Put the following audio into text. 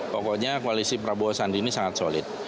pokoknya koalisi prabowo sandi ini sangat solid